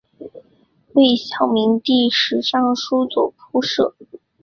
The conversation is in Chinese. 魏孝明帝时尚书左仆射。